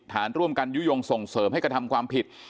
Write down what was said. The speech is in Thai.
ฐานร่วมกันยุโยงส่งเสริมให้กระทำความผิด